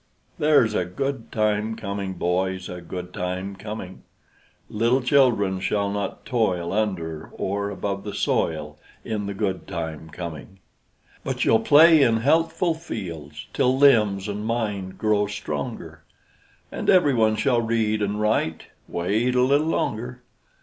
There's a good time coming, boys, A good time coming: Little children shall not toil Under, or above, the soil In the good time coming; But shall play in healthful fields, Till limbs and mind grow stronger; And every one shall read and write; Wait a little longer.